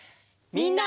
みんな！